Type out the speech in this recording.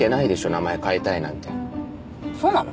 名前変えたいなんてそうなの？